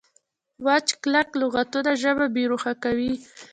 وچ کلک لغتونه ژبه بې روحه کوي.